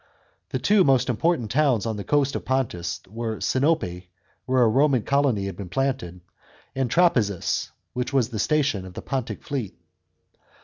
The two most important towns on the coast of Pontus, were Sinope, where a Roman colony had been planted, and Tra^ezus, which was the station of the Pontic fleet.